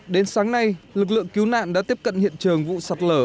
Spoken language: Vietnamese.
đến sáng nay lực lượng cứu nạn đã tiếp cận hiện trường vụ sạt lở